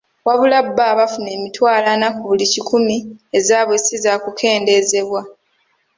Wabula bbo abafuna emitwalo ana ku buli kikumi ezaabwe ssi zaakukendeezebwa.